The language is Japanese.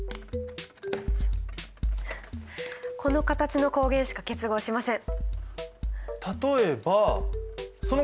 この形の抗原しか結合しません。